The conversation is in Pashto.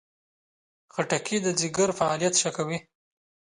خټکی د ځیګر فعالیت ښه کوي.